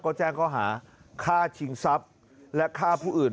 ก็แจ้งเขาหาฆ่าชิงทรัพย์และฆ่าผู้อื่น